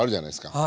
はい。